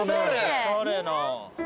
おしゃれな。